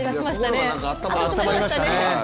心が温まりました。